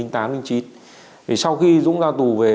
thì sau khi dũng ra tù về